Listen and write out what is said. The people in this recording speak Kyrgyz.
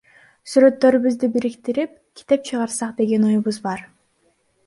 Сүрөттөрүбүздү бириктирип, китеп чыгарсак деген оюбуз бар.